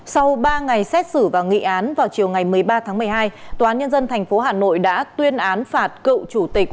sau ba ngày xét xử và nghị án vào chiều một mươi ba một mươi hai tnth hà nội đã tuyên án phạt cựu chủ tịch